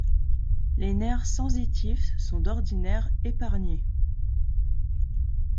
Les nerfs sensitifs sont d'ordinaire épargnés.